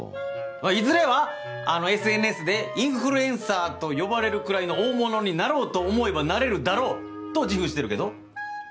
いずれはＳＮＳでインフルエンサーと呼ばれるくらいの大物になろうと思えばなれるだろうと自負してるけど？